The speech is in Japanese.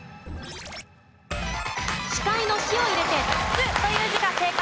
司会の「司」を入れて「筒」という字が正解。